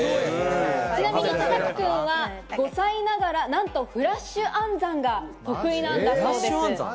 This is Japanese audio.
ちなみに、たかき君は５歳ながら、何とフラッシュ暗算が得意なんだそうです。